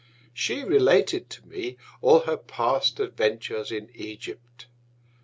She related to me all her past Adventures in Egypt.